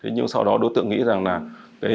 nhưng sau đó đối tượng nghĩ rằng